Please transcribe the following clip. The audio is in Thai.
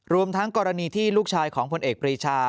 รวมทั้งกรณีที่ลูกชายของผลเอกปรีชา